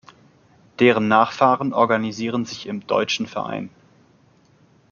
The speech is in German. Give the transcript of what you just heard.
Deren Nachfahren organisieren sich im "deutschen Verein".